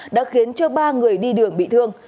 đã khiến ba người đi đường bị thương